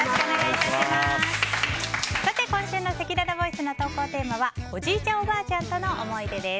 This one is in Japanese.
今週のせきららボイスの投稿テーマはおじいちゃん・おばあちゃんとの思い出です。